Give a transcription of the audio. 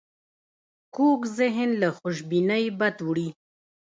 کوږ ذهن له خوشبینۍ بد وړي